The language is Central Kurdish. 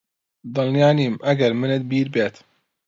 دڵنیا نیم ئەگەر منت بیر بێت